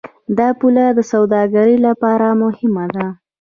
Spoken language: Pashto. دا پوله د سوداګرۍ لپاره مهمه ده.